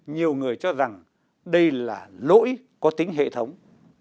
nhiều người cho rằng đây là lỗi có tính hệ thống